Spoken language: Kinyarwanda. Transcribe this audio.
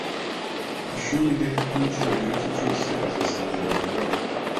Ashuri h n icyubahiro cye cyose i Azasendera arenge aho